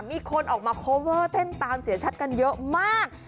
มีคนออกมาโคเวอร์เต้นตามเสียชัดกันเยอะมาก